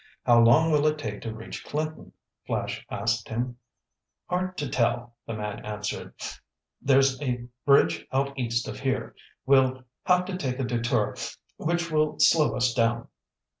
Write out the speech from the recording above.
"How long will it take to reach Clinton?" Flash asked him. "Hard to tell," the man answered. "There's a bridge out East of here. We'll have to take a detour which will slow us down."